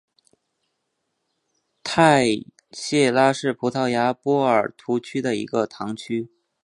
泰谢拉是葡萄牙波尔图区的一个堂区。